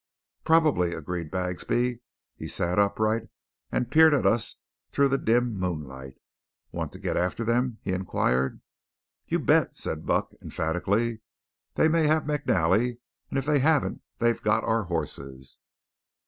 "Probably," agreed Bagsby. He sat upright and peered at us through the dim moonlight. "Want to get after them?" he inquired. "You bet!" said Buck emphatically, "They may have McNally, and if they haven't, they've got our horses."